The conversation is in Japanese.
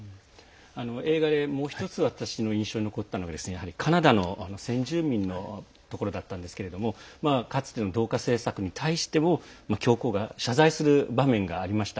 映画でもう１つ印象に残ったのがカナダの先住民のところでかつての同化政策に対しても教皇が謝罪する場面がありました。